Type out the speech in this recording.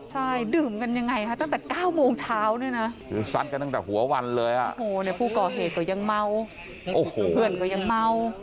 ใช่ดื่มกันยังไงคะตั้งแต่๙โมงเช้าด้วยนะคือซัดกันตั้งแต่หัววันเลยอ่ะโอ้โหเนี่ยผู้ก่อเหตุก็ยังเมาโอ้โหเพื่อนก็ยังเมา